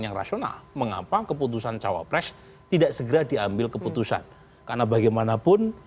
yang rasional mengapa keputusan cawapres tidak segera diambil keputusan karena bagaimanapun